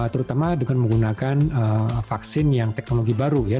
terutama dengan menggunakan vaksin yang teknologi baru ya